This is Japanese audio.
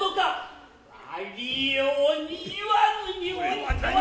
有りように言わぬにおいては。